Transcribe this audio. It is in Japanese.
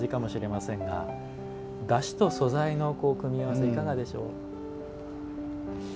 だしと素材の組み合わせいかがでしょう？